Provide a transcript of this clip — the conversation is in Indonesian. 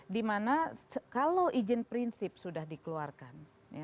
di mana kalau izin prinsip sudah dikeluarkan